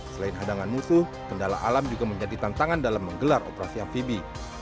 selain hadangan musuh kendala alam juga menjadi tantangan dalam menggelar operasi amfibi